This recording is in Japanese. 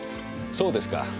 そうですか。